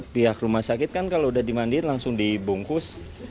pihak rumah sakit kan kalau udah dimandiin langsung dibungkus